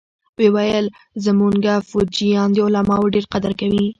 ويې ويل زمونګه فوجيان د علماوو ډېر قدر کوي.